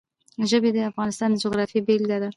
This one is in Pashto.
ژبې د افغانستان د جغرافیې بېلګه ده.